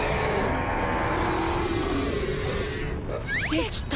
できた。